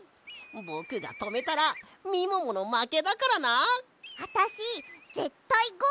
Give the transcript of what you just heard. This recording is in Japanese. ぼくがとめたらみもものまけだからな。あたしぜったいゴールするもん！